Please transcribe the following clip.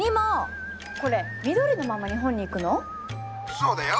そうだよ。